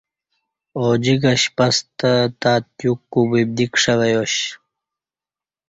اوجیکہ شپستہ تیو کوببدی کݜہ وہ یاش